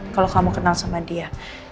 kalau kamu kenal sama dia